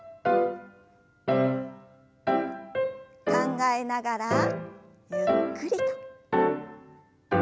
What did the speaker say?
考えながらゆっくりと。